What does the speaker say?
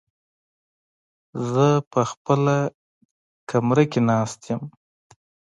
زه په خپله کمره کې ناست يم.